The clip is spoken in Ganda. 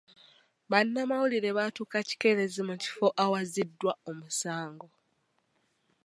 Bannamawulire baatuuka kikeerezi mu kifo awazziddwa omusango.